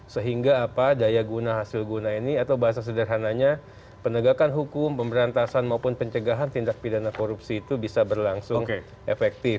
sehingga apa daya guna hasil guna ini atau bahasa sederhananya penegakan hukum pemberantasan maupun pencegahan tindak pidana korupsi itu bisa berlangsung efektif